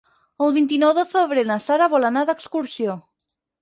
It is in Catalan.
El vint-i-nou de febrer na Sara vol anar d'excursió.